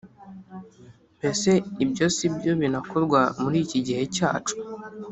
Mbese ibyo sibyo binakorwa muri iki gihe cyacu?